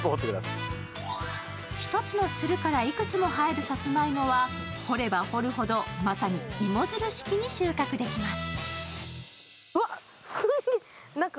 一つのツルからいくつも生えるさつまいもは掘れば掘るほどまさに芋づる式に収穫できます。